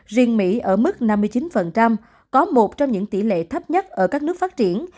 riêng mỹ ở mức năm mươi chín có một trong những tỷ lệ thấp nhất ở các nước phát triển